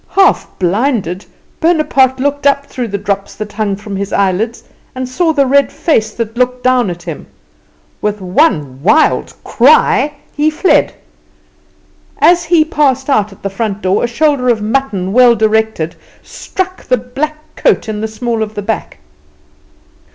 Half blinded, Bonaparte looked up through the drops that hung from his eyelids, and saw the red face that looked down at him. With one wild cry he fled. As he passed out at the front door a shoulder of mutton, well directed, struck the black coat in the small of the back.